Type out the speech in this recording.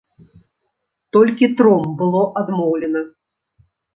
Толькі тром было адмоўлена!